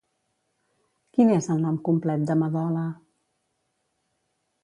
Quin és el nom complet de Madola?